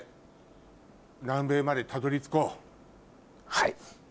はい。